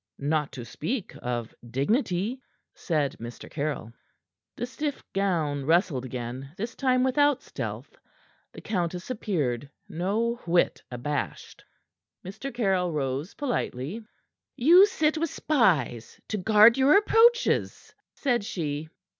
"Not to speak of dignity," said Mr. Caryll. The stiff gown rustled again, this time without stealth. The countess appeared, no whit abashed. Mr. Caryll rose politely. "You sit with spies to guard your approaches," said she.